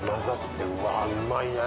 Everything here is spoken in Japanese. うわうまいね！